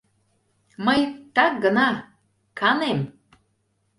Мый так гына... канем.